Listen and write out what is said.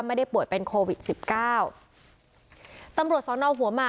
ไม่ได้ป่วยเป็นโควิดสิบเก้าตำรวจสอนอหัวหมาก